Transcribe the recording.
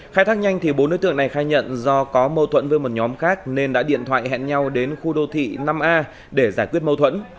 khai thác nhanh thì bốn đối tượng này khai nhận do có mâu thuẫn với một nhóm khác nên đã điện thoại hẹn nhau đến khu đô thị năm a để giải quyết mâu thuẫn